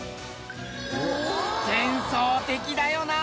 幻想的だよな。